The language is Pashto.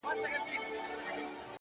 حقیقت ورو خو تل خپل ځان ښکاره کوي،